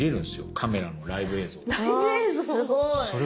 カメラのライブ映像を。